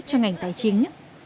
cho ngành tài chính